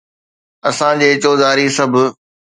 اسان جي چوڌاري سڀ